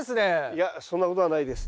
いやそんなことはないです。